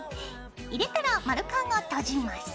入れたら丸カンを閉じます。